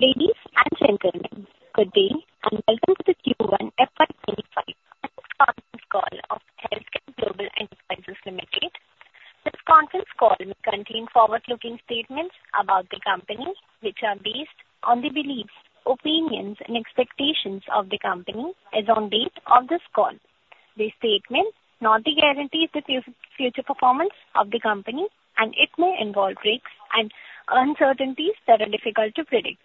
Ladies and gentlemen, good day, and welcome to the Q1 FY25 conference call of HealthCare Global Enterprises Limited. This conference call may contain forward-looking statements about the company, which are based on the beliefs, opinions, and expectations of the company as on date of this call. These statements not the guarantee the future performance of the company, and it may involve risks and uncertainties that are difficult to predict.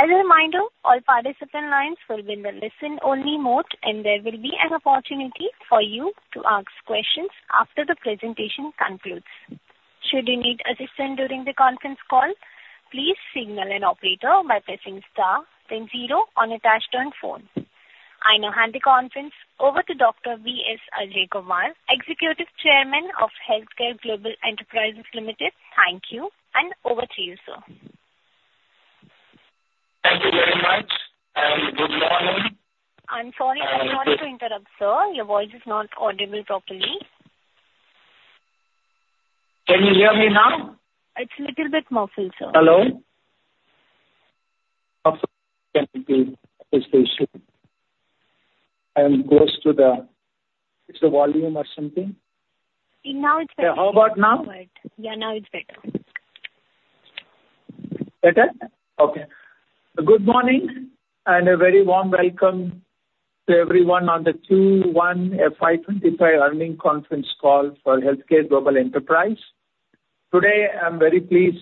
As a reminder, all participant lines will be in the listen-only mode, and there will be an opportunity for you to ask questions after the presentation concludes. Should you need assistance during the conference call, please signal an operator by pressing star then zero on attached on phone. I now hand the conference over to Dr. B.S. Ajaikumar, Executive Chairman of HealthCare Global Enterprises Limited. Thank you, and over to you, sir. Thank you very much, and good morning. I'm sorry, I'm sorry to interrupt, sir. Your voice is not audible properly. Can you hear me now? It's a little bit muffled, sir. Hello? And goes to the... It's the volume or something? Now it's better. How about now? Yeah, now it's better. Better? Okay. Good morning, and a very warm welcome to everyone on the Q1 FY25 earnings conference call for HealthCare Global Enterprises. Today, I'm very pleased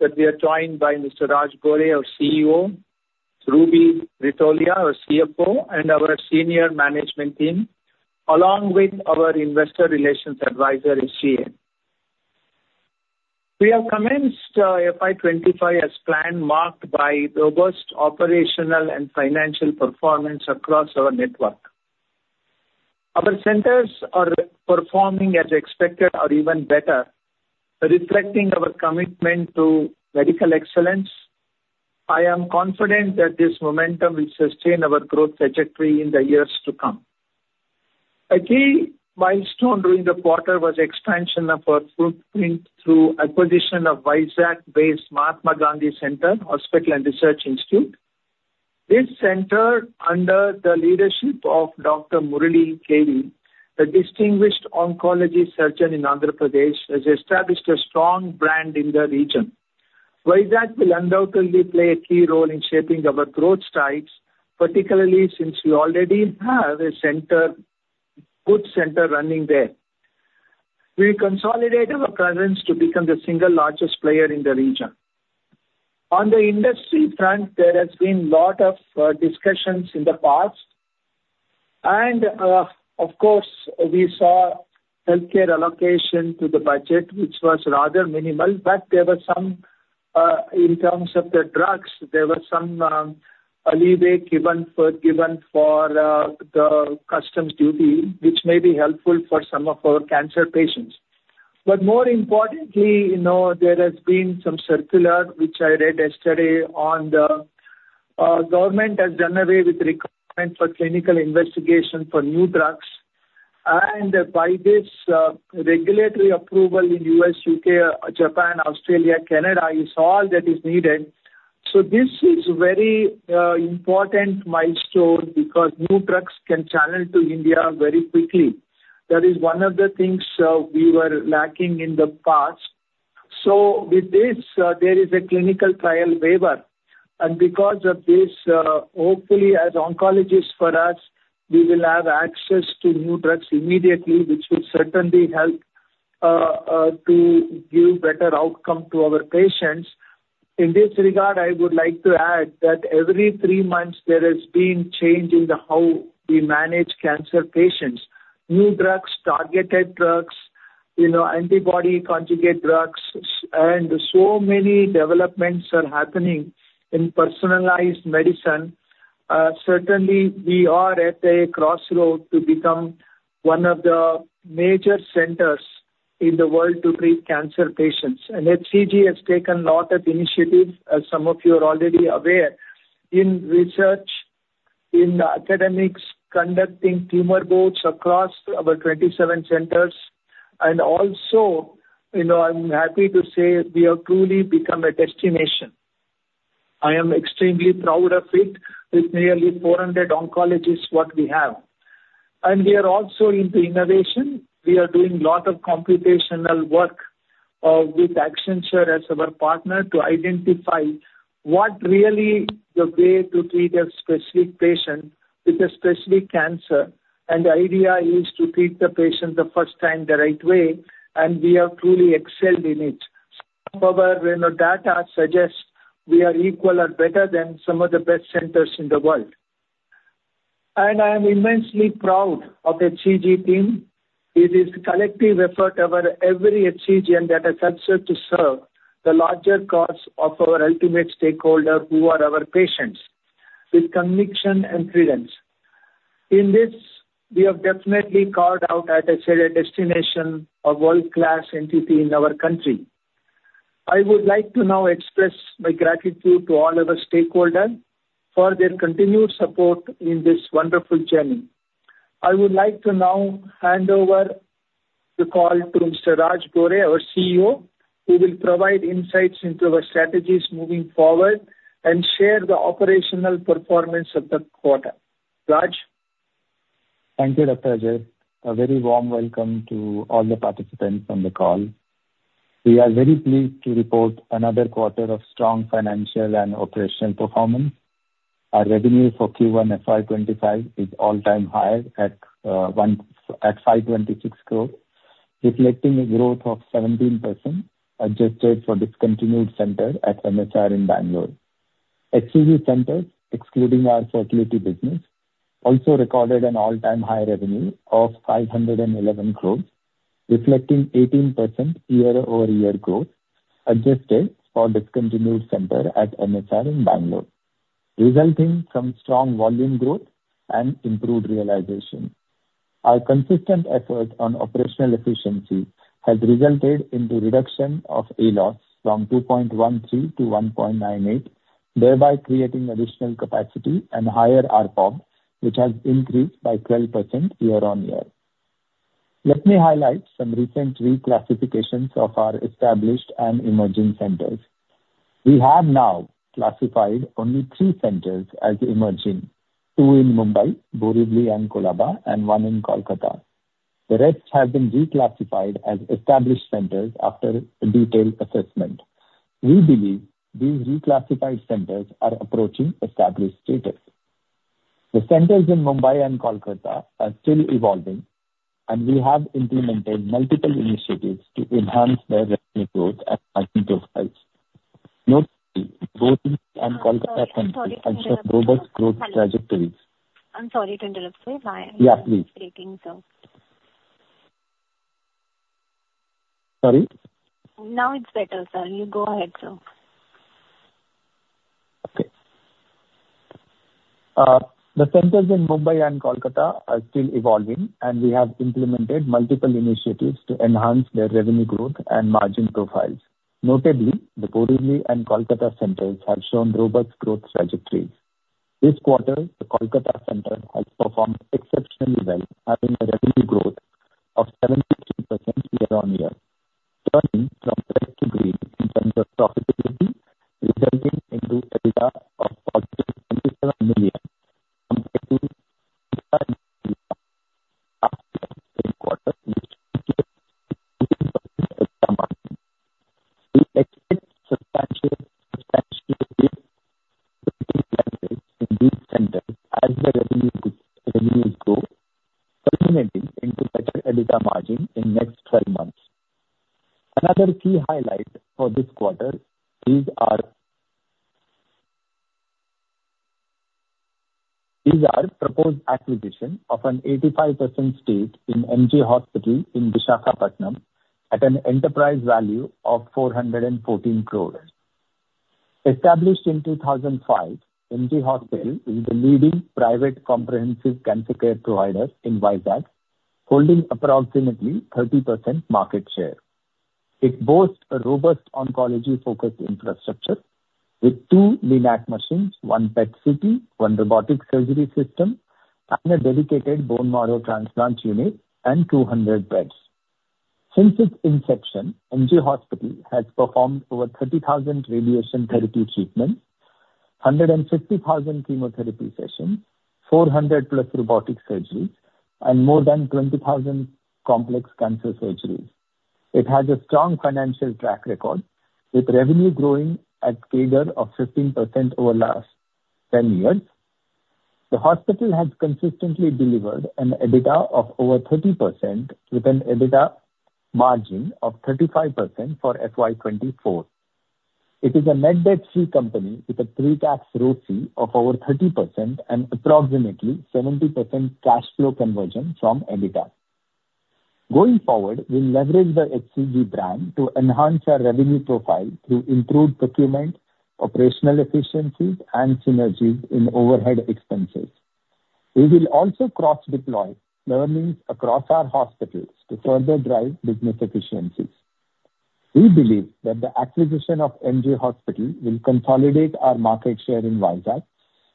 that we are joined by Mr. Raj Gore, our CEO, Ruby Ritolia, our CFO, and our senior management team, along with our investor relations advisor, SGA. We have commenced FY25 as planned, marked by robust operational and financial performance across our network. Our centers are performing as expected or even better, reflecting our commitment to medical excellence. I am confident that this momentum will sustain our growth trajectory in the years to come. A key milestone during the quarter was expansion of our footprint through acquisition of Vizag-based Mahatma Gandhi Cancer Hospital and Research Institute. This center, under the leadership of Dr. V. Murali Krishna, a distinguished oncology surgeon in Andhra Pradesh, has established a strong brand in the region. Vizag will undoubtedly play a key role in shaping our growth strides, particularly since we already have a center, good center running there. We consolidate our presence to become the single largest player in the region. On the industry front, there has been a lot of discussions in the past, and, of course, we saw healthcare allocation to the budget, which was rather minimal, but there were some in terms of the drugs, there were some leeway given for, given for, the customs duty, which may be helpful for some of our cancer patients. But more importantly, you know, there has been some circular, which I read yesterday on the government has done away with requirement for clinical investigation for new drugs, and by this, regulatory approval in U.S., U.K., Japan, Australia, Canada, is all that is needed. So this is very important milestone because new drugs can channel to India very quickly. That is one of the things we were lacking in the past. So with this there is a clinical trial waiver, and because of this, hopefully as oncologists for us, we will have access to new drugs immediately, which will certainly help to give better outcome to our patients. In this regard, I would like to add that every three months there has been change in the how we manage cancer patients. New drugs, targeted drugs, you know, antibody conjugate drugs, and so many developments are happening in personalized medicine. Certainly, we are at a crossroads to become one of the major centers in the world to treat cancer patients. HCG has taken a lot of initiatives, as some of you are already aware, in research, in academics, conducting tumor boards across our 27 centers, and also, you know, I'm happy to say we have truly become a destination. I am extremely proud of it, with nearly 400 oncologists what we have. We are also into innovation. We are doing a lot of computational work with Accenture as our partner, to identify what really the way to treat a specific patient with a specific cancer. And the idea is to treat the patient the first time the right way, and we have truly excelled in it. However, you know, data suggests we are equal or better than some of the best centers in the world. I am immensely proud of the HCG team. It is collective effort of our every HCGian that has searched to serve the larger cause of our ultimate stakeholder, who are our patients, with conviction and prudence. In this, we have definitely carved out, as I said, a destination, a world-class entity in our country. I would like to now express my gratitude to all our stakeholders for their continued support in this wonderful journey. I would like to now hand over the call to Mr. Raj Gore, our CEO, who will provide insights into our strategies moving forward and share the operational performance of the quarter. Raj? Thank you, Dr. B.S. Ajaikumar. A very warm welcome to all the participants on the call. We are very pleased to report another quarter of strong financial and operational performance. Our revenue for Q1 FY25 is all-time high at 526 crore, reflecting a growth of 17% adjusted for discontinued center at MSR in Bangalore. HCG centers, excluding our fertility business, also recorded an all-time high revenue of 511 crores, reflecting 18% year-over-year growth, adjusted for discontinued center at MSR in Bangalore, resulting from strong volume growth and improved realization. Our consistent effort on operational efficiency has resulted in the reduction of ALOS from 2.13 to 1.98, thereby creating additional capacity and higher ARPOB, which has increased by 12% year-on-year. Let me highlight some recent reclassifications of our established and emerging centers. We have now classified only three centers as emerging, two in Mumbai, Borivali and Colaba, and one in Kolkata. The rest have been reclassified as established centers after a detailed assessment. We believe these reclassified centers are approaching established status. The centers in Mumbai and Kolkata are still evolving, and we have implemented multiple initiatives to enhance their revenue growth and margin profiles. Notably, both Mumbai and Kolkata centers have shown robust growth trajectories. I'm sorry to interrupt you. Yeah, please. Breaking, sir. Sorry? Now it's better, sir. You go ahead, sir. Okay. The centers in Mumbai and Kolkata are still evolving, and we have implemented multiple initiatives to enhance their revenue growth and margin profiles. Notably, the Borivali and Kolkata centers have shown robust growth trajectories. This quarter, the Kolkata center has performed exceptionally well, having a revenue growth of 72% year-on-year, turning from red to green in terms of profitability, resulting into EBITDA of INR 4.7 million, compared to last quarter, which... We expect substantial in these centers as the revenue grow, culminating into better EBITDA margin in next twelve months. Another key highlight for this quarter is our proposed acquisition of an 85% stake in MJ Hospital in Visakhapatnam at an enterprise value of 414 crore. Established in 2005, MG Hospital is the leading private comprehensive cancer care provider in Vizag, holding approximately 30% market share. It boasts a robust oncology-focused infrastructure with 2 LINAC machines, 1 PET/CT, 1 robotic surgery system, and a dedicated bone marrow transplant unit and 200 beds. Since its inception, MG Hospital has performed over 30,000 radiation therapy treatments, 150,000 chemotherapy sessions, 400+ robotic surgeries, and more than 20,000 complex cancer surgeries. It has a strong financial track record, with revenue growing at CAGR of 15% over the last 10 years. The hospital has consistently delivered an EBITDA of over 30%, with an EBITDA margin of 35% for FY 2024. It is a net debt-free company with a pre-tax ROCE of over 30% and approximately 70% cash flow conversion from EBITDA. Going forward, we'll leverage the HCG brand to enhance our revenue profile through improved procurement, operational efficiencies, and synergies in overhead expenses. We will also cross-deploy learnings across our hospitals to further drive business efficiencies. We believe that the acquisition of MG Hospital will consolidate our market share in Vizag,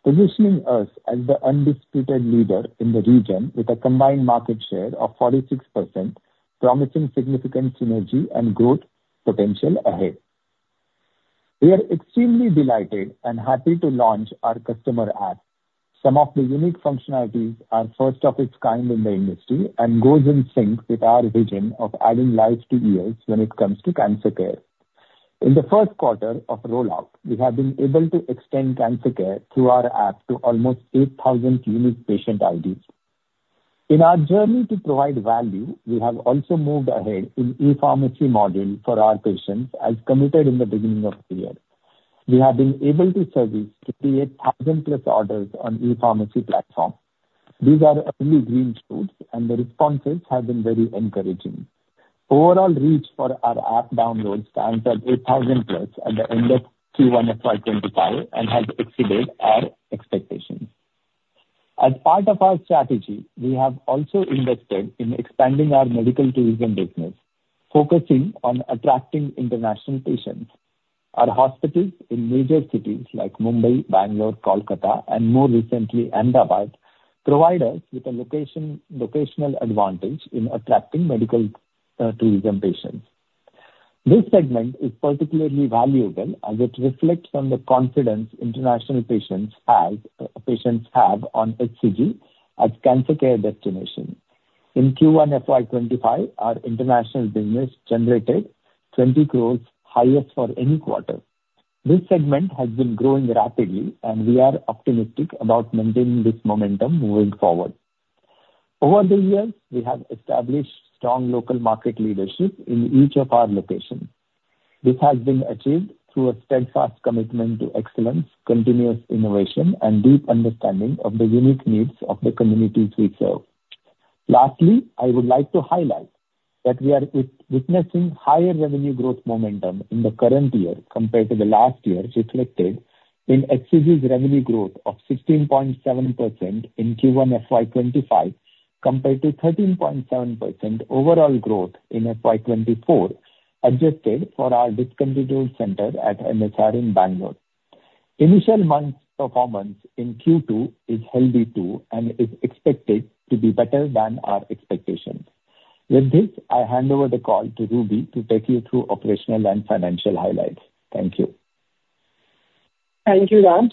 positioning us as the undisputed leader in the region with a combined market share of 46%, promising significant synergy and growth potential ahead. We are extremely delighted and happy to launch our customer app. Some of the unique functionalities are first of its kind in the industry and goes in sync with our vision of adding lives to years when it comes to cancer care. In the first quarter of rollout, we have been able to extend cancer care through our app to almost 8,000 unique patient IDs. In our journey to provide value, we have also moved ahead in ePharmacy model for our patients, as committed in the beginning of the year. We have been able to service 58,000+ orders on ePharmacy platform. These are early green shoots, and the responses have been very encouraging. Overall reach for our app downloads stands at 8,000+ at the end of Q1 FY25 and has exceeded our expectations. As part of our strategy, we have also invested in expanding our medical tourism business, focusing on attracting international patients....Our hospitals in major cities like Mumbai, Bangalore, Kolkata, and more recently, Ahmedabad, provide us with a location, locational advantage in attracting medical tourism patients. This segment is particularly valuable as it reflects on the confidence international patients have on HCG as cancer care destination. In Q1 FY25, our international business generated 20 crore, highest for any quarter. This segment has been growing rapidly, and we are optimistic about maintaining this momentum moving forward. Over the years, we have established strong local market leadership in each of our locations. This has been achieved through a steadfast commitment to excellence, continuous innovation, and deep understanding of the unique needs of the communities we serve. Lastly, I would like to highlight that we are witnessing higher revenue growth momentum in the current year compared to the last year, reflected in HCG's revenue growth of 16.7% in Q1 FY25, compared to 13.7% overall growth in FY24, adjusted for our discontinued center at MSR in Bangalore. Initial months' performance in Q2 is healthy too and is expected to be better than our expectations. With this, I hand over the call to Ruby to take you through operational and financial highlights. Thank you. Thank you, Raj.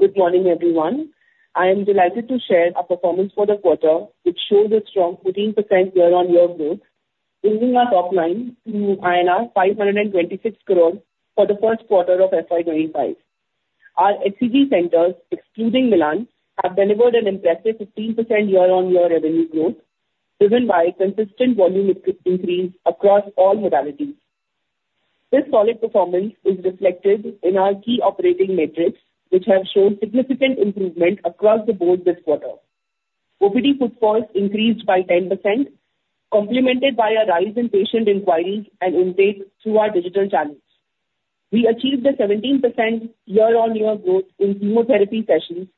Good morning, everyone. I am delighted to share our performance for the quarter, which shows a strong 14% year-on-year growth, raising our top line to INR 526 crores for the first quarter of FY 25. Our HCG centers, excluding Milann, have delivered an impressive 15% year-on-year revenue growth, driven by consistent volume increase across all modalities. This solid performance is reflected in our key operating metrics, which have shown significant improvement across the board this quarter. OPD footfalls increased by 10%, complemented by a rise in patient inquiries and intake through our digital channels. We achieved a 17% year-on-year growth in chemotherapy sessions,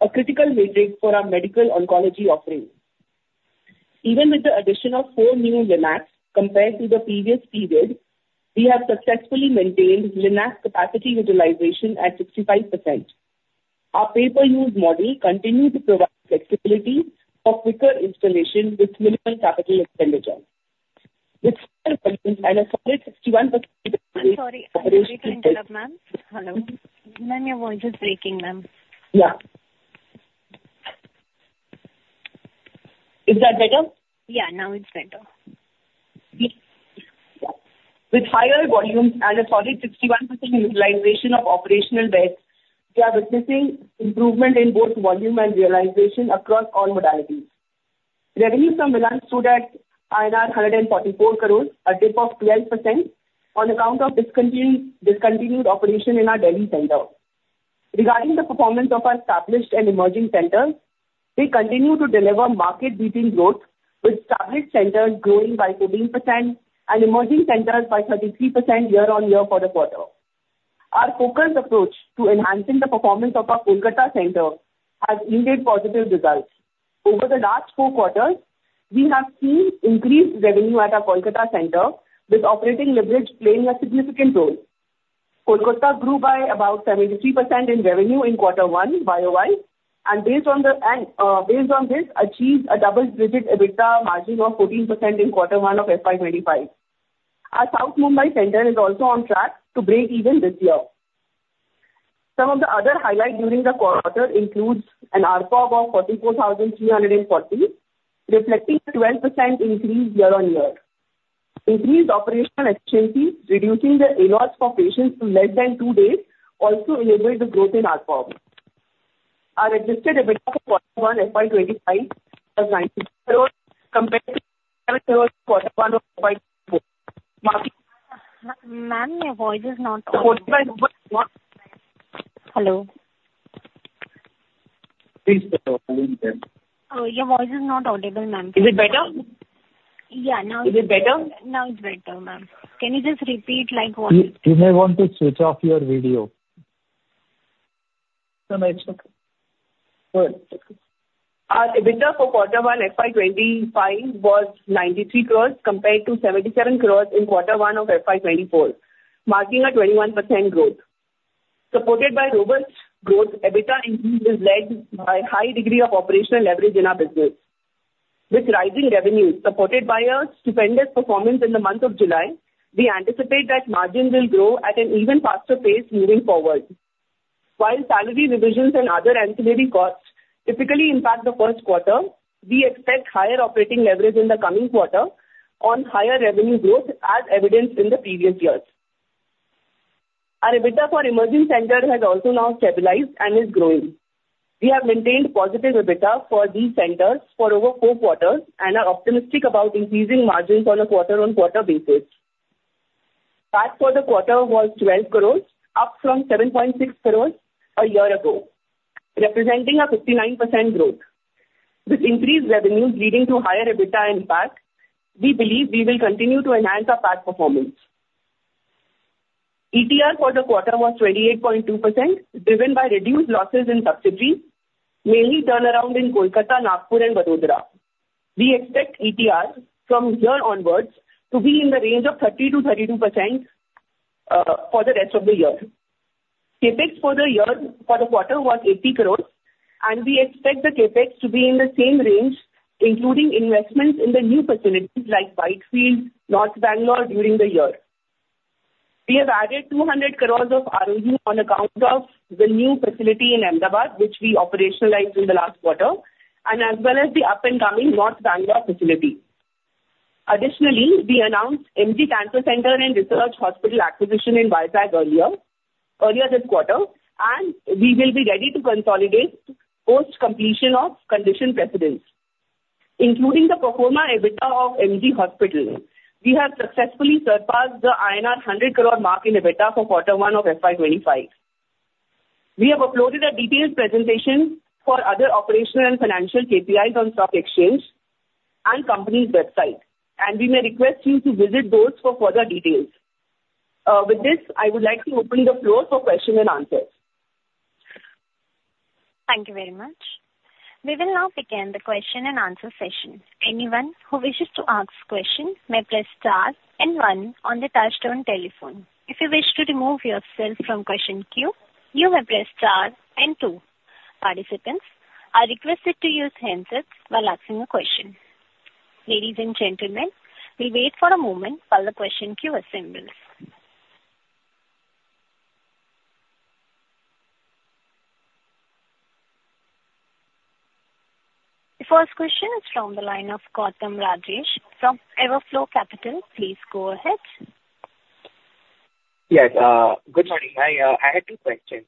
a critical metric for our medical oncology offerings. Even with the addition of 4 new LINACs compared to the previous period, we have successfully maintained LINAC capacity utilization at 65%. Our pay-per-use model continued to provide flexibility for quicker installation with minimal capital expenditure. With 61%- I'm sorry. Sorry to interrupt, ma'am. Hello. Ma'am, your voice is breaking, ma'am. Yeah. Is that better? Yeah, now it's better. With higher volumes and a solid 61% utilization of operational beds, we are witnessing improvement in both volume and realization across all modalities. Revenue from Milann stood at INR 144 crores, a dip of 12% on account of discontinued operation in our Delhi center. Regarding the performance of our established and emerging centers, we continue to deliver market-leading growth, with established centers growing by 14% and emerging centers by 33% year-on-year for the quarter. Our focused approach to enhancing the performance of our Kolkata center has yielded positive results. Over the last four quarters, we have seen increased revenue at our Kolkata center, with operating leverage playing a significant role. Kolkata grew by about 73% in revenue in quarter one YOY, and based on the... Based on this, achieved a double-digit EBITDA margin of 14% in quarter one of FY25. Our South Mumbai center is also on track to break even this year. Some of the other highlight during the quarter includes an ARPOB of 44,340, reflecting a 12% increase year-on-year. Increased operational efficiencies, reducing the in-house for patients to less than two days, also enabled the growth in ARPOB. Our adjusted EBITDA for quarter one FY25 was INR 93 crore compared to quarter one of FY24, marking- Ma'am, your voice is not coming.... Hello? Please stop. Your voice is not audible, ma'am. Is it better? Yeah, now it's- Is it better? Now it's better, ma'am. Can you just repeat, like, what- You may want to switch off your video. No, it's okay. Good. Our EBITDA for quarter 1, FY 2025, was 93 crore compared to 77 crore in quarter 1 of FY 2024, marking a 21% growth. Supported by robust growth, EBITDA increase is led by high degree of operational leverage in our business. With rising revenues supported by a stupendous performance in the month of July, we anticipate that margins will grow at an even faster pace moving forward. While salary revisions and other ancillary costs typically impact the first quarter, we expect higher operating leverage in the coming quarter on higher revenue growth, as evidenced in the previous years. Our EBITDA for emerging centers has also now stabilized and is growing. We have maintained positive EBITDA for these centers for over 4 quarters and are optimistic about increasing margins on a quarter-on-quarter basis. PAT for the quarter was 12 crore, up from 7.6 crore a year ago, representing 59% growth. With increased revenues leading to higher EBITDA and PAT, we believe we will continue to enhance our PAT performance. ETR for the quarter was 28.2%, driven by reduced losses in subsidiaries, mainly turnaround in Kolkata, Nagpur and Vadodara. We expect ETR from here onwards to be in the range of 30%-32%, for the rest of the year. CapEx for the year, for the quarter was 80 crore, and we expect the CapEx to be in the same range, including investments in the new facilities like Whitefield, North Bangalore, during the year. We have added 200 crore of ROU on account of the new facility in Ahmedabad, which we operationalized in the last quarter, and as well as the up-and-coming North Bangalore facility. Additionally, we announced MG Cancer Center and Research Hospital acquisition in Vizag earlier this quarter, and we will be ready to consolidate post-completion of conditions precedent. Including the pro forma EBITDA of MG Hospital, we have successfully surpassed the INR 100 crore mark in EBITDA for Quarter 1 of FY 25. We have uploaded a detailed presentation for other operational and financial KPIs on stock exchange and company's website, and we may request you to visit those for further details. With this, I would like to open the floor for question and answers. Thank you very much. We will now begin the question and answer session. Anyone who wishes to ask question may press star and one on the touchtone telephone. If you wish to remove yourself from question queue, you may press star and two. Participants are requested to use handsets while asking a question. Ladies and gentlemen, we wait for a moment while the question queue assembles. The first question is from the line of Gautam Rajesh from Everflow Capital. Please go ahead. Yes, good morning. I had two questions.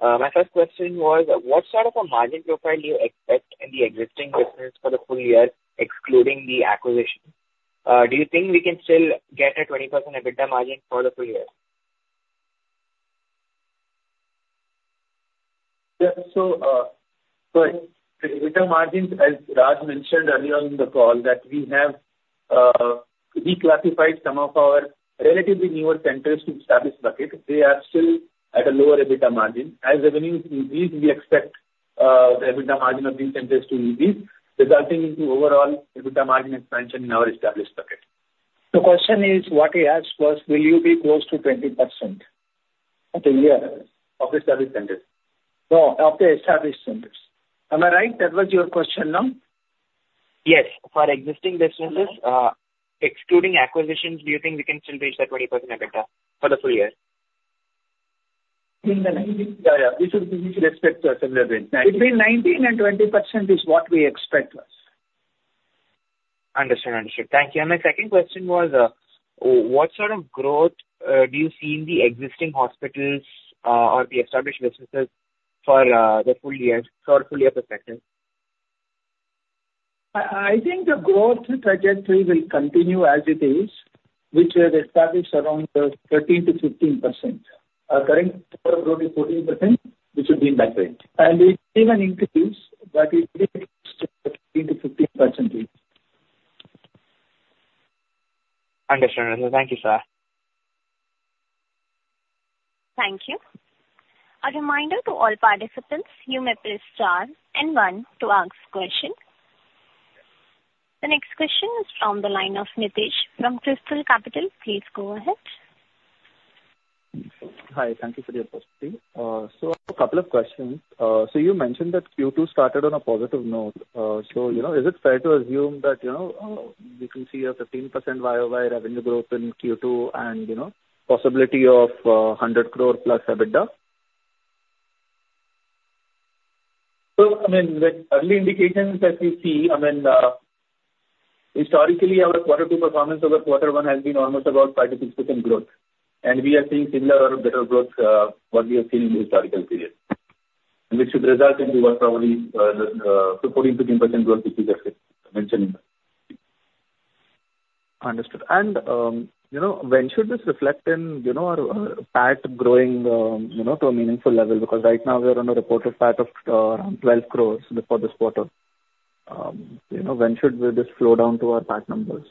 My first question was, what sort of a margin profile do you expect in the existing business for the full year, excluding the acquisition? Do you think we can still get a 20% EBITDA margin for the full year? Yeah, so, the EBITDA margins, as Raj mentioned earlier in the call, that we have reclassified some of our relatively newer centers to established bucket. They are still at a lower EBITDA margin. As revenues increase, we expect the EBITDA margin of these centers to increase, resulting into overall EBITDA margin expansion in our established bucket. The question is, what he asked was, will you be close to 20% for the year? Of the established centers. Oh, of the established centers. Am I right? That was your question, now? Yes. For existing businesses, excluding acquisitions, do you think we can still reach that 20% EBITDA for the full year? Yeah, yeah. We should expect a similar range. Between 19% and 20% is what we expect. Understood. Understood. Thank you. And my second question was, what sort of growth do you see in the existing hospitals or the established businesses for the full year, for full year perspective? I think the growth trajectory will continue as it is, which is established around 13%-15%. Our current growth is 14%, which would be in that range, and it even increase, but it will be between the 15% range. Understood. Thank you, sir. Thank you. A reminder to all participants, you may press star and one to ask question. The next question is from the line of Nitesh from Criterion Capital. Please go ahead. Hi. Thank you for the opportunity. So a couple of questions. So you mentioned that Q2 started on a positive note. So, you know, is it fair to assume that, you know, we can see a 15% YOY revenue growth in Q2, and, you know, possibility of 100 crore plus EBITDA? So, I mean, the early indications that we see, I mean, historically, our Quarter Two performance over Quarter One has been almost about 5%-6% growth, and we are seeing similar or better growth, what we have seen in the historical period. And this should result into what, probably, 14%-10% growth, which we just mentioned. Understood. And, you know, when should this reflect in, you know, our, PAT growing, you know, to a meaningful level? Because right now, we are on a reported PAT of, around 12 crore for this quarter. You know, when should this flow down to our PAT numbers?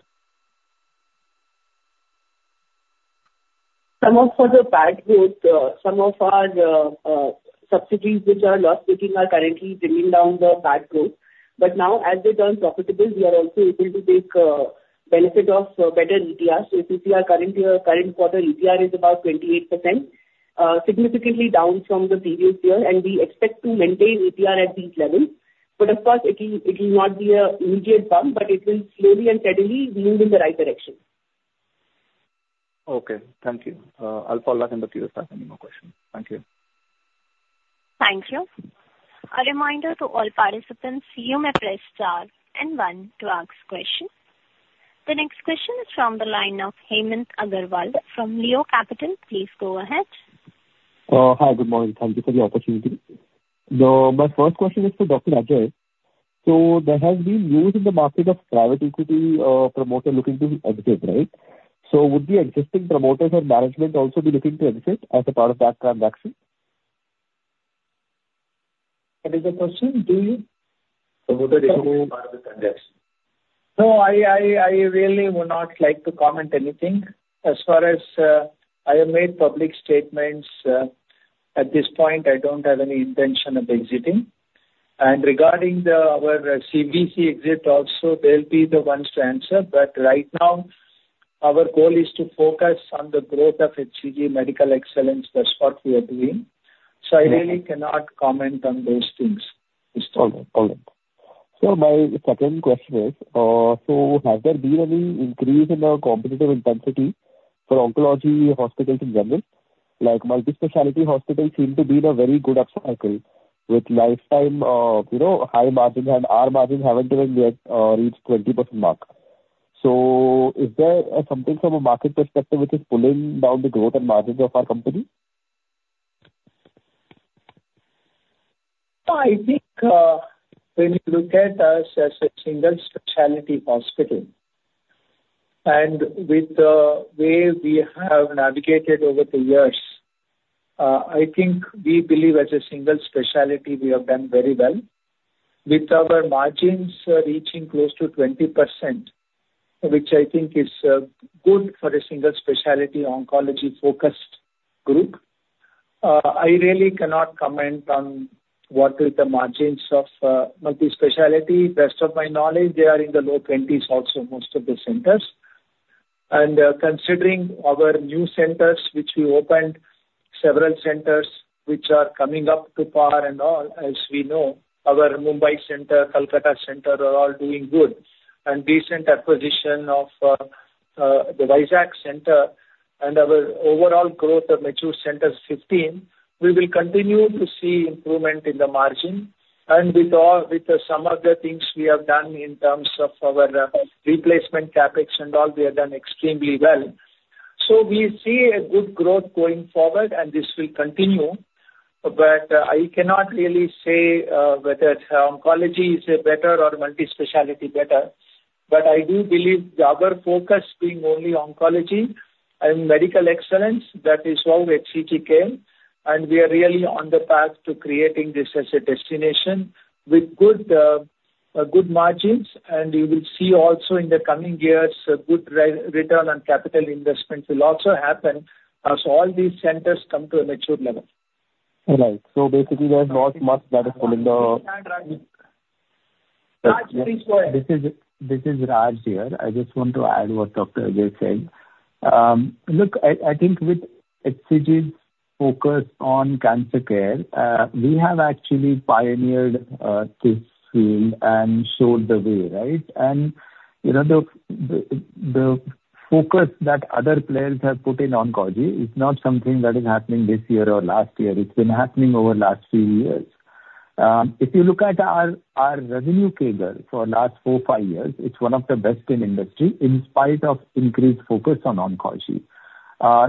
Some of our PAT growth, some of our subsidiaries which are loss-making are currently bringing down the PAT growth. But now, as they turn profitable, we are also able to take benefit of better ETR. So ETR currently, current quarter ETR is about 28%, significantly down from the previous year, and we expect to maintain ETR at this level. But of course, it will not be an immediate bump, but it will slowly and steadily move in the right direction. Okay, thank you. I'll follow up in the queue if I have any more questions. Thank you. Thank you. A reminder to all participants, you may press star and one to ask question. The next question is from the line of Hemant Agarwal from Leo Capital. Please go ahead. Hi, good morning. Thank you for the opportunity. My first question is for Dr. Ajaikumar. So there has been news in the market of private equity, promoter looking to exit, right? So would the existing promoters and management also be looking to exit as a part of that transaction? What is the question? Do you- Whether they do part of the transaction. No, I really would not like to comment anything as far as... I have made public statements. ...At this point, I don't have any intention of exiting. Regarding our CBC exit also, they'll be the ones to answer, but right now, our goal is to focus on the growth of HCG Medical Excellence. That's what we are doing. I really cannot comment on those things. All right. All right. So my second question is, so has there been any increase in the competitive intensity for oncology hospitals in general? Like, multi-specialty hospitals seem to be in a very good upcycle with lifetime, you know, high margin, and our margins haven't even yet reached 20% mark. So is there, something from a market perspective which is pulling down the growth and margins of our company? I think, when you look at us as a single specialty hospital, and with the way we have navigated over the years, I think we believe as a single specialty, we have done very well. With our margins reaching close to 20%, which I think is, good for a single specialty oncology-focused group. I really cannot comment on what is the margins of, multi-specialty. Best of my knowledge, they are in the low 20s% also, most of the centers. And, considering our new centers, which we opened, several centers which are coming up to par and all, as we know, our Mumbai center, Kolkata center, are all doing good. And recent acquisition of, the Vizag center and our overall growth of mature centers, 15, we will continue to see improvement in the margin. And with all... With some of the things we have done in terms of our, replacement CapEx and all, we have done extremely well. So we see a good growth going forward, and this will continue, but I cannot really say, whether oncology is better or multi-specialty better. But I do believe our focus being only oncology and medical excellence, that is why HCG came, and we are really on the path to creating this as a destination with good, good margins. And you will see also in the coming years, a good return on capital investments will also happen as all these centers come to a mature level. Right. So basically, there's not much that is in the- Raj, please go ahead. This is Raj here. I just want to add what Dr. B.S. Ajaikumar said. Look, I think with HCG's focus on cancer care, we have actually pioneered this field and showed the way, right? You know, the focus that other players have put in oncology is not something that is happening this year or last year, it's been happening over last few years. If you look at our revenue CAGR for last four, five years, it's one of the best in industry, in spite of increased focus on oncology.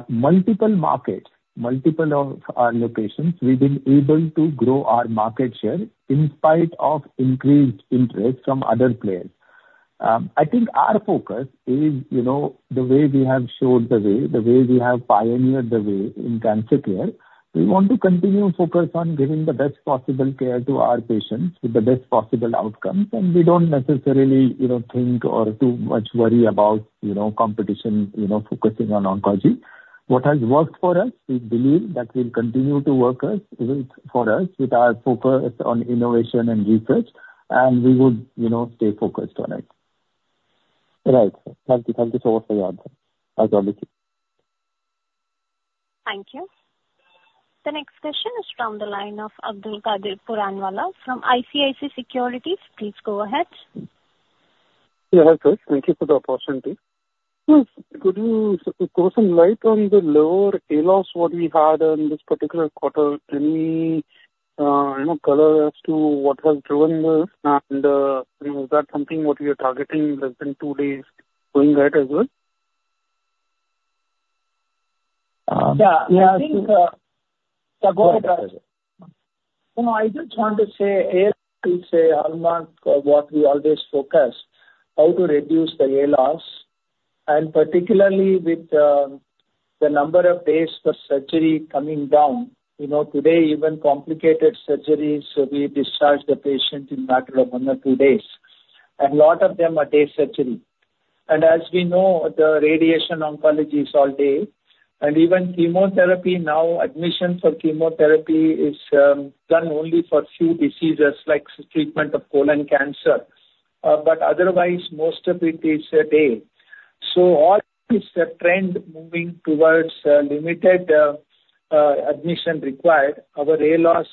Multiple markets, multiple of our locations, we've been able to grow our market share in spite of increased interest from other players. I think our focus is, you know, the way we have showed the way, the way we have pioneered the way in cancer care, we want to continue to focus on giving the best possible care to our patients with the best possible outcomes, and we don't necessarily, you know, think or too much worry about, you know, competition, you know, focusing on oncology. What has worked for us, we believe that will continue to work us, for us with our focus on innovation and research, and we would, you know, stay focused on it. Right. Thank you. Thank you so much for your answer. I thank you. Thank you. The next question is from the line of Abdulkader Puranwala from ICICI Securities. Please go ahead. Yeah, hi, sir. Thank you for the opportunity. Could you shed some light on the lower ALOS what we had in this particular quarter? Any, you know, color as to what has driven this? And, you know, is that something what we are targeting less than two days, going ahead as well? Yeah, I think, Yeah, go ahead, Raj. Now, I just want to say ALOS is a hallmark of what we always focus, how to reduce the ALOS, and particularly with the number of days for surgery coming down. You know, today, even complicated surgeries, we discharge the patient in a matter of one or two days, and a lot of them are day surgery. And as we know, the radiation oncology is all day, and even chemotherapy now, admission for chemotherapy is done only for a few diseases, like treatment of colon cancer. But otherwise, most of it is a day. So all is a trend moving towards limited admission required. Our ALOS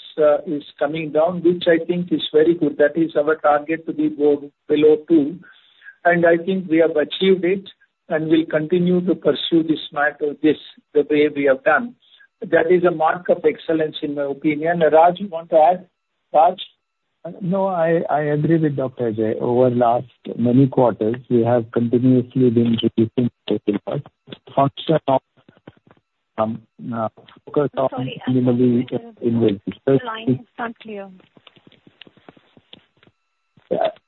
is coming down, which I think is very good. That is our target, to go below two, and I think we have achieved it, and we'll continue to pursue this matter, this, the way we have done. That is a mark of excellence in my opinion. Raj, you want to add? Raj? No, I, I agree with Dr. Ajaikumar. Over the last many quarters, we have continuously been reducing ALOS, function of, focus on- Sorry, I'm sorry. The line is not clear.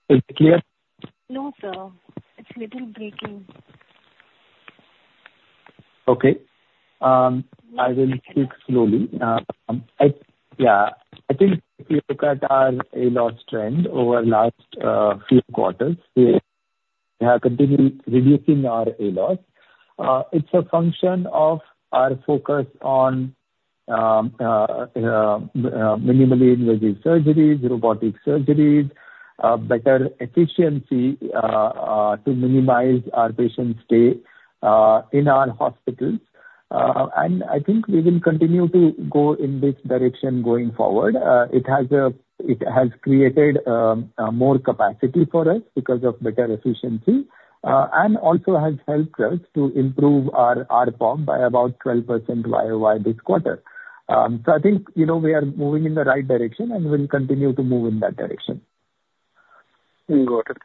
It's clear? No, sir. It's little breaking. Okay. I will speak slowly. Yeah, I think if you look at our ALOS trend over last few quarters, we-... We are continue reducing our ALOS. It's a function of our focus on minimally invasive surgeries, robotic surgeries, better efficiency to minimize our patient stay in our hospitals. And I think we will continue to go in this direction going forward. It has created more capacity for us because of better efficiency, and also has helped us to improve our ARPOB by about 12% YOY this quarter. So I think, you know, we are moving in the right direction and will continue to move in that direction. Got it.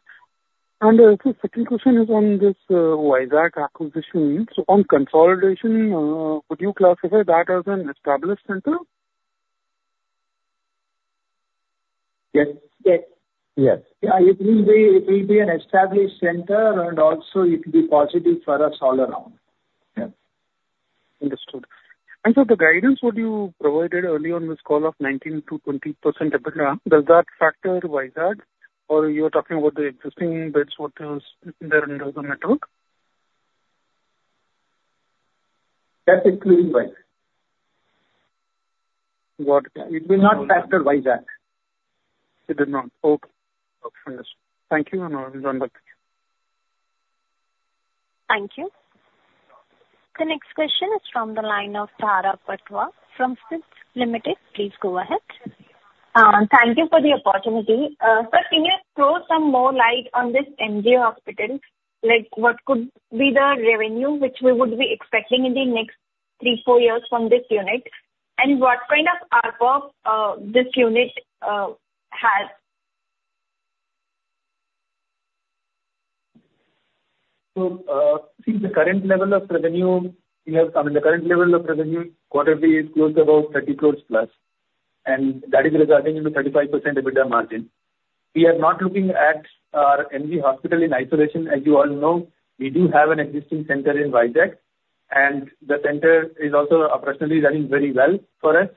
And, sir, second question is on this Vizag acquisition. So on consolidation, would you classify that as an established center? Yes. Yes. Yes. Yeah, it will be, it will be an established center, and also it will be positive for us all around. Yeah. Understood. So the guidance which you provided early on this call of 19%-20% EBITDA, does that factor Vizag, or you are talking about the existing under the network? That includes Vizag. Got it. It will not factor Vizag. It does not. Okay. Understood. Thank you, and now done with. Thank you. The next question is from the line of Dhara Patwa from SMIFS Limited. Please go ahead. Thank you for the opportunity. Sir, can you throw some more light on this MG Hospital? Like, what could be the revenue which we would be expecting in the next 3-4 years from this unit? And what kind of ARPO this unit has? So, since the current level of revenue, you know, I mean, the current level of revenue quarterly is close to about 30 crores plus, and that is resulting into 35% EBITDA margin. We are not looking at our MG Hospital in isolation. As you all know, we do have an existing center in Vizag, and the center is also operationally running very well for us.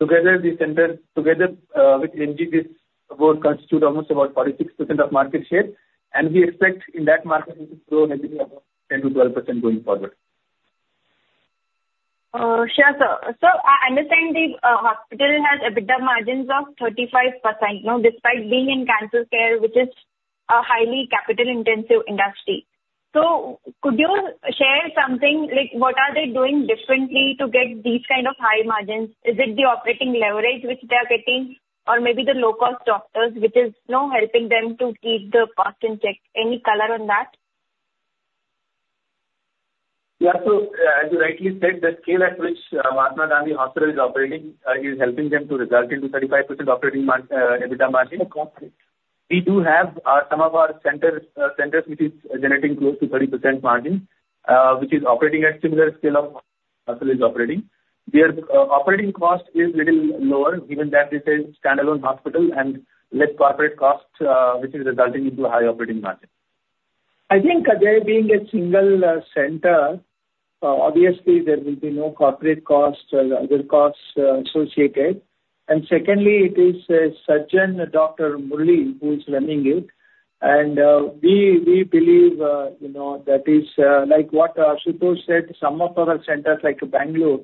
Together, the center, together, with MG, this both constitute almost about 46% of market share, and we expect in that market to grow maybe about 10%-12% going forward. Sure, sir. So I understand the hospital has EBITDA margins of 35%, you know, despite being in cancer care, which is a highly capital-intensive industry. So could you share something like what are they doing differently to get these kind of high margins? Is it the operating leverage which they are getting, or maybe the low-cost doctors, which is, you know, helping them to keep the costs in check? Any color on that? Yeah. So, as you rightly said, the scale at which Mahatma Gandhi Hospital is operating is helping them to result into 35% operating EBITDA margin. We do have some of our centers which is generating close to 30% margin, which is operating at similar scale of hospital is operating. Their operating cost is little lower, given that it is a standalone hospital and less corporate costs, which is resulting into high operating margin. I think there being a single, center, obviously there will be no corporate costs, other costs, associated. And secondly, it is a surgeon, Dr. Murali, who is running it. And, we, we believe, you know, that is, like what, Ashutosh said, some of our centers, like Bangalore,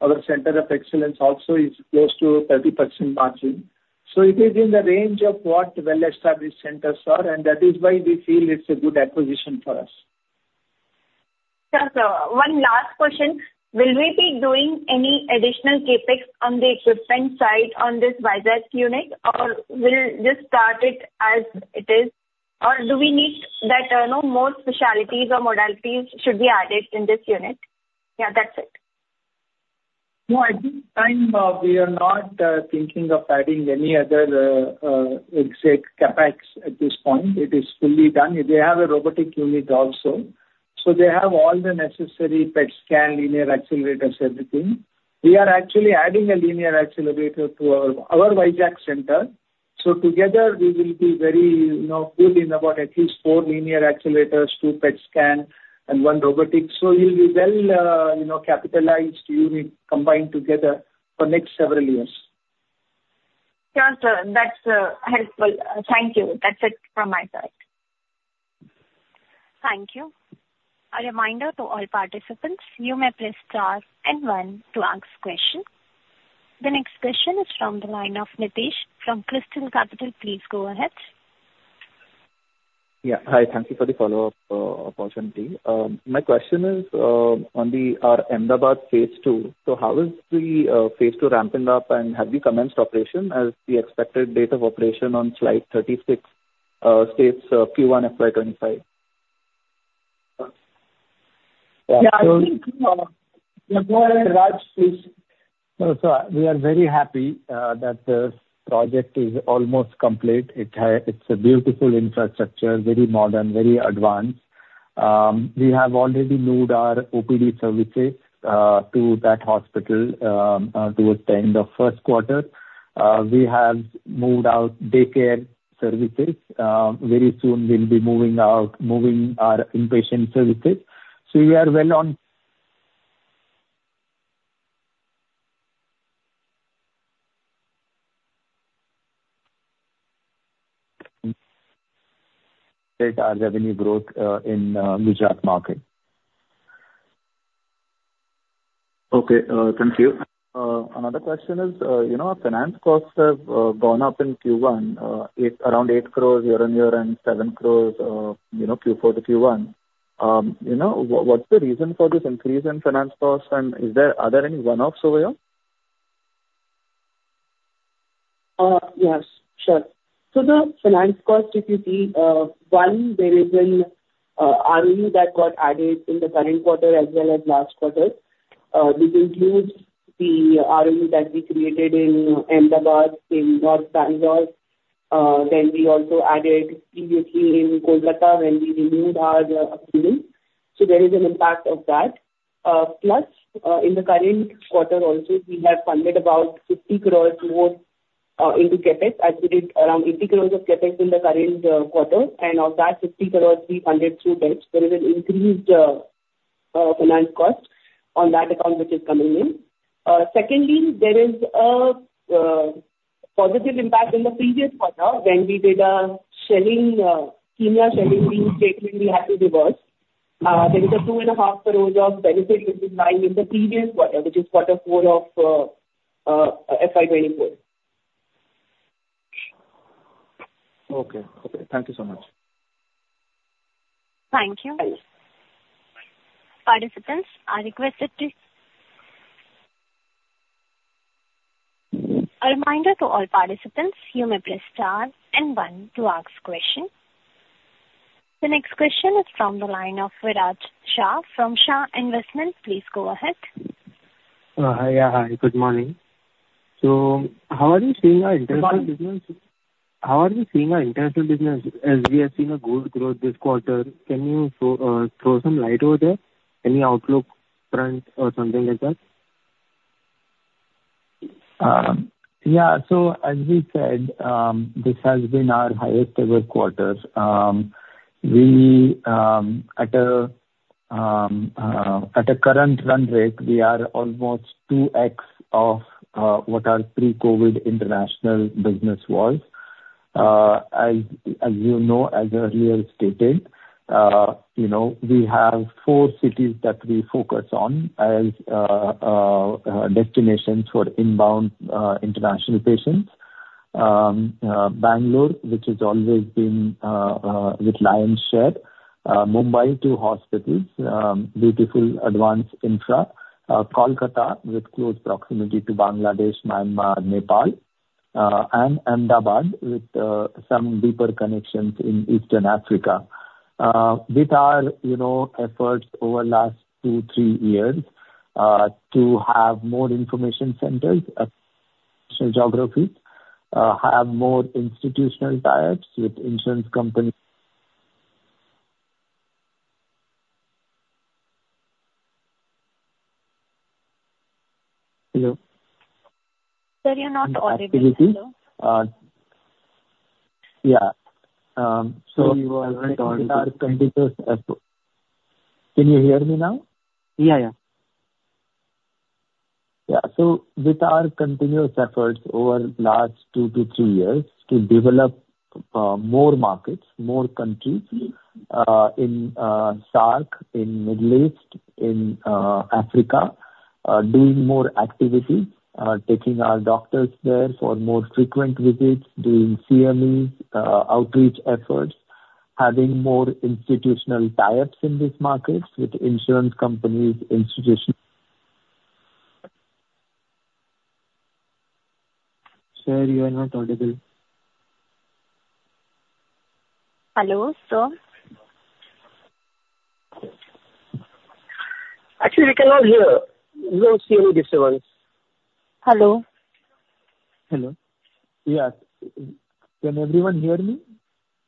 our center of excellence, also is close to 30% margin. So it is in the range of what well-established centers are, and that is why we feel it's a good acquisition for us. Sure, sir. One last question. Will we be doing any additional CapEx on the equipment side on this Vizag unit, or we'll just start it as it is? Or do we need that, you know, more specialties or modalities should be added in this unit? Yeah, that's it. No, at this time, we are not thinking of adding any other exact CapEx at this point. It is fully done. They have a robotic unit also. So they have all the necessary PET scan, linear accelerators, everything. We are actually adding a linear accelerator to our Vizag center. So together, we will be very, you know, good in about at least 4 linear accelerators, 2 PET scan, and 1 robotic. So we'll be well, you know, capitalized, we combine together for next several years. Sure, sir, that's helpful. Thank you. That's it from my side. Thank you. A reminder to all participants, you may press star and one to ask questions. The next question is from the line of Nitesh from Criterion Capital. Please go ahead. Yeah. Hi, thank you for the follow-up opportunity. My question is, on the our Ahmedabad phase two. So how is the phase two ramping up, and have we commenced operation, as the expected date of operation on slide 36 states, Q1 FY25? Yeah, I think, go ahead, Raj, please. No, so we are very happy that the project is almost complete. It's a beautiful infrastructure, very modern, very advanced. We have already moved our OPD services to that hospital towards the end of first quarter. We have moved out daycare services. Very soon we'll be moving out, moving our inpatient services. So we are well on-... Take our revenue growth in Gujarat market. Okay, thank you. Another question is, you know, our finance costs have gone up in Q1, around 8 crores year-on-year, and 7 crores, you know, Q4 to Q1. You know, what's the reason for this increase in finance costs, and are there any one-offs over here? Yes, sure. So the finance cost, if you see, one, there is an ROU that got added in the current quarter as well as last quarter. This includes the ROU that we created in Ahmedabad, in North Bangalore, then we also added previously in Kolkata, when we renewed our agreement. So there is an impact of that. Plus, in the current quarter also, we have funded about 50 crores more into CapEx, as we did around 80 crores of CapEx in the current quarter. And of that 50 crores, we funded through banks. There is an increased finance cost on that account, which is coming in. Secondly, there is a positive impact in the previous quarter, when we did a selling senior selling restatement, we had to reverse. There is 2.5 crore of benefit which is lying in the previous quarter, which is quarter four of FY 2024. Okay. Okay, thank you so much. Thank you. Participants are requested to... A reminder to all participants, you may press star and one to ask question. The next question is from the line of Viraj Shah from Shah Investment. Please go ahead. Hi. Yeah, hi, good morning. So how are you seeing our international business? How are you seeing our international business as we have seen a good growth this quarter? Can you throw some light over there, any outlook front or something like that? Yeah, so as we said, this has been our highest ever quarter. We, at a current run rate, we are almost 2x of what our pre-COVID international business was. As you know, as earlier stated, you know, we have four cities that we focus on as destinations for inbound international patients. Bangalore, which has always been with lion's share, Mumbai, two hospitals, beautiful advanced infra. Kolkata, with close proximity to Bangladesh, Myanmar, Nepal, and Ahmedabad, with some deeper connections in Eastern Africa. With our, you know, efforts over last two, three years to have more information centers at geographies, have more institutional ties with insurance companies. Hello? Sir, you're not audible. Yeah. So- You are not audible. Can you hear me now? Yeah. Yeah. Yeah. So with our continuous efforts over last 2-3 years to develop more markets, more countries in SAARC, in Middle East, in Africa, doing more activities, taking our doctors there for more frequent visits, doing CMEs, outreach efforts, having more institutional ties in these markets with insurance companies, institutions. Sir, you are not audible. Hello, Tom? Actually, we cannot hear. Low CEO disturbance. Hello? Hello. Yeah. Can everyone hear me?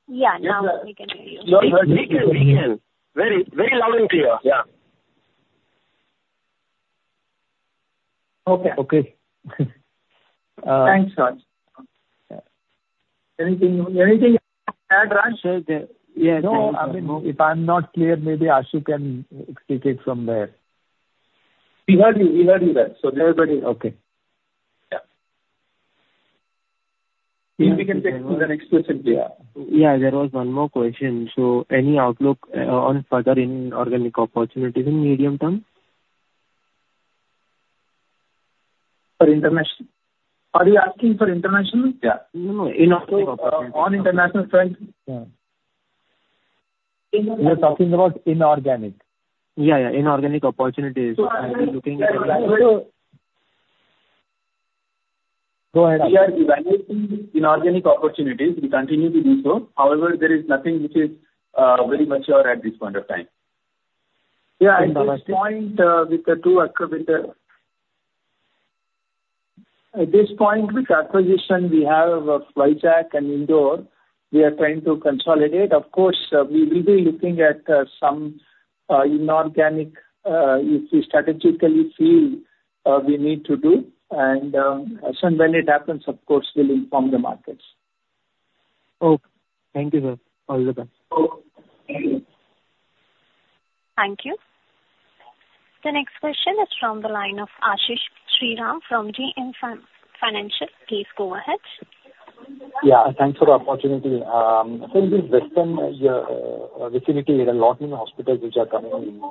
Yeah, now we can hear you. We can, we hear. Very, very loud and clear. Yeah. Okay. Okay. Uh- Thanks, Raj. Anything, anything to add, Raj? Yeah. No, I mean, if I'm not clear, maybe Ashu can take it from there. We heard you. We heard you well. So everybody- Okay. Yeah. We can take the next question, clear. Yeah, there was one more question. So any outlook on further inorganic opportunities in medium term? For international? Are you asking for international? Yeah. No, no, inorganic opportunity. On international front? Yeah. We are talking about inorganic. Yeah, yeah, inorganic opportunities. Are you looking at- Go ahead. We are evaluating inorganic opportunities. We continue to do so. However, there is nothing which is very mature at this point of time. Yeah, and at this point, with the two in the... At this point, with the acquisition we have of Flyjack and Indore, we are trying to consolidate. Of course, we will be looking at some inorganic if we strategically feel we need to do. As and when it happens, of course, we'll inform the markets. Okay. Thank you, sir. All the best. Okay. Thank you.... Thank you. The next question is from the line of Ashish Shriram from JM Financial. Please go ahead. Yeah, thanks for the opportunity. So in the western vicinity, there are a lot new hospitals which are coming in.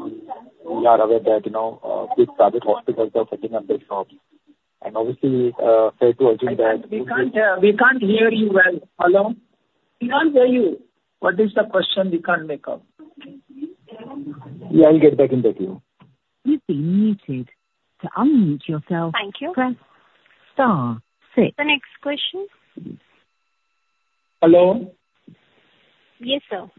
We are aware that, you know, big private hospitals are setting up their shops, and obviously, fair to assume that- We can't hear you. We can't hear you well. Hello? We can't hear you. What is the question? We can't make out. Yeah, I'll get back in the queue. You've been muted. To unmute yourself- Thank you. Press star six. The next question. Hello? Yes, sir.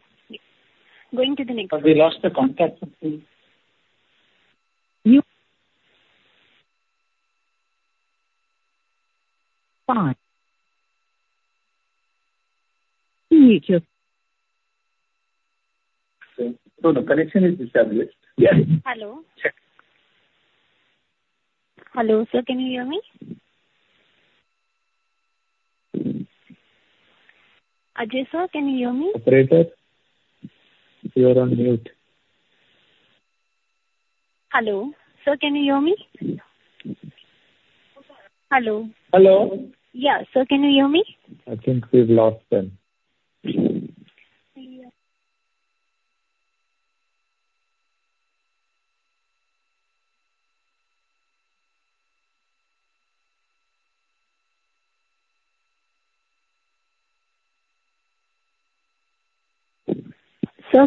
Going to the next- Have we lost the contact with him? 5. Thank you. The connection is established. Yeah. Hello? Hello, sir, can you hear me? Ajay, sir, can you hear me? Operator, you are on mute. Hello, sir, can you hear me? Hello. Hello! Yeah. Sir, can you hear me? I think we've lost him. Sir,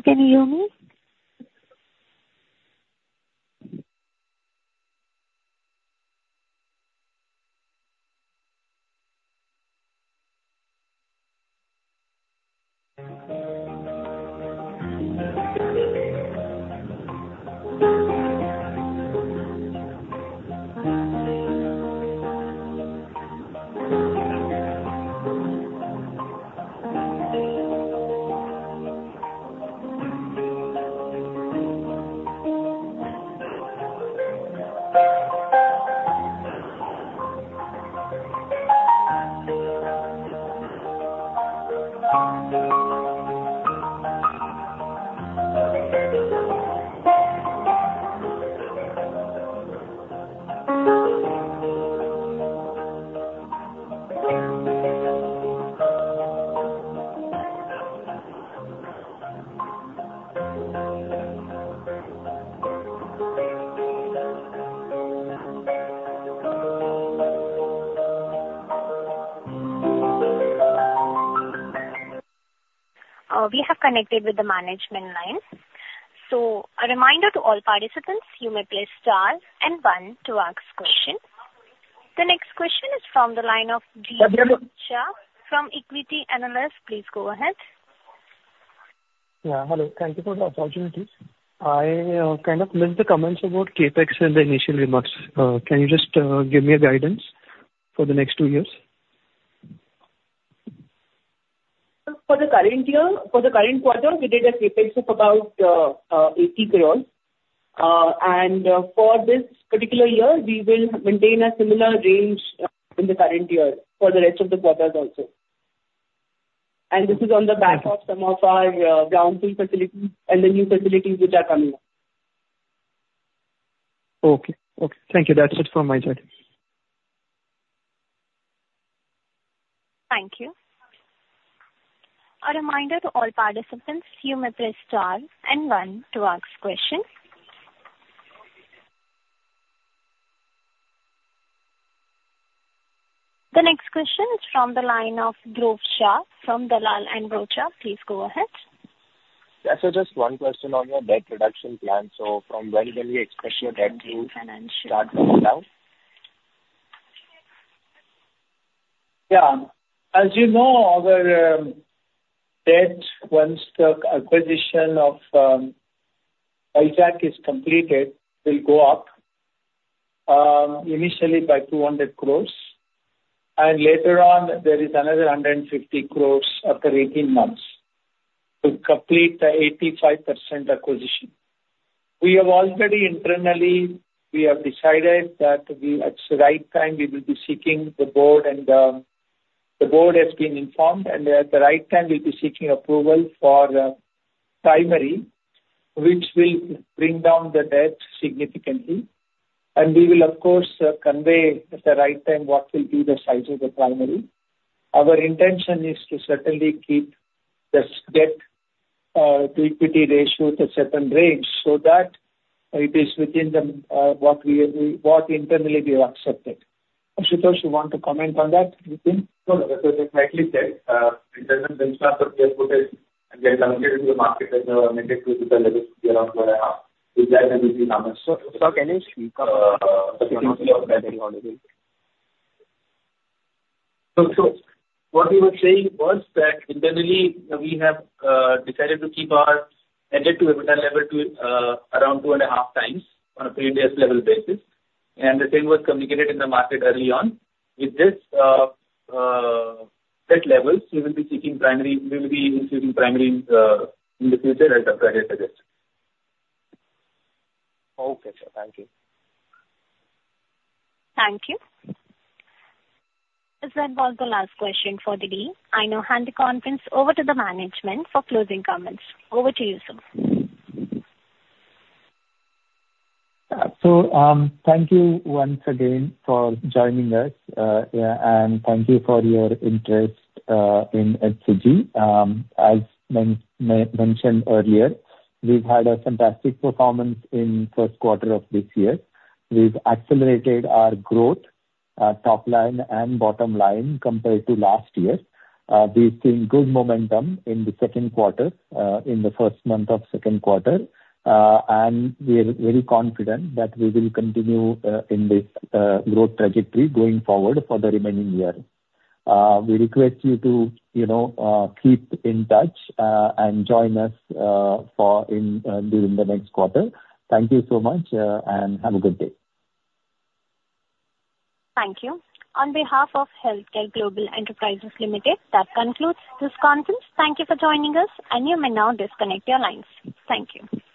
can you hear me? We have connected with the management line. A reminder to all participants, you may press star and one to ask questions. The next question is from the line of Deep Shah from Equity Analysts. Please go ahead. Yeah, hello. Thank you for the opportunity. I kind of missed the comments about CapEx and the initial remarks. Can you just give me a guidance for the next two years? For the current year, for the current quarter, we did a CapEx of about 80 crore. For this particular year, we will maintain a similar range in the current year for the rest of the quarters also. This is on the back of some of our ground-up facilities and the new facilities which are coming up. Okay. Okay. Thank you. That's it from my side. Thank you. A reminder to all participants, you may press star and one to ask questions. The next question is from the line of Dhruv Shah from Dalal & Brocha. Please go ahead. Yeah, so just one question on your debt reduction plan. From when will we expect your debt to- GN Financial. Start coming down? Yeah. As you know, our debt, once the acquisition of Vizag is completed, will go up initially by 200 crore, and later on, there is another 150 crore after 18 months to complete the 85% acquisition. We have already internally, we have decided that we, at the right time, we will be seeking the board, and the board has been informed, and at the right time, we'll be seeking approval for primary, which will bring down the debt significantly. And we will, of course, convey at the right time what will be the size of the primary. Our intention is to certainly keep this debt to equity ratio to certain range so that it is within the what we what internally we have accepted. Ashutosh, you want to comment on that, you think? No, no, that's exactly said. In terms of shareholding, and then communicate in the market as well, around 2.5. Sir, sir, can you speak up? So, so what we were saying was that internally we have decided to keep our debt-to-EBITDA level to around 2.5 times on a previous level basis, and the same was communicated in the market early on. With this debt levels, we will be seeking primary, we will be including primary in the future as Dr. Ajay suggested. Okay, sir, thank you. Thank you. As that was the last question for the day, I now hand the conference over to the management for closing comments. Over to you, sir. So, thank you once again for joining us, and thank you for your interest in HCG. As mentioned earlier, we've had a fantastic performance in first quarter of this year. We've accelerated our growth, top line and bottom line, compared to last year. We've seen good momentum in the second quarter, in the first month of second quarter. And we are very confident that we will continue in this growth trajectory going forward for the remaining year. We request you to, you know, keep in touch, and join us during the next quarter. Thank you so much, and have a good day. Thank you. On behalf of HealthCare Global Enterprises Limited, that concludes this conference. Thank you for joining us, and you may now disconnect your lines. Thank you.